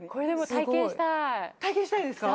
体験したいですか？